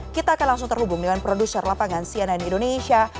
kita akan langsung terhubung dengan produser lapangan cnn indonesia